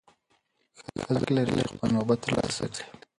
ښځه حق لري چې خپل نوبت ترلاسه کړي.